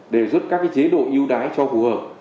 đề xuất các chế độ ưu đái cho phù hợp